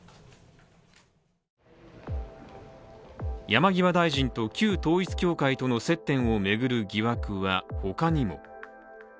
山際大臣と旧統一教会との接点を巡る疑惑は他にも。